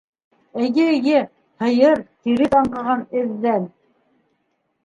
Эйе, эйе, һыйыр, тиреҫ аңҡыған эҙҙан...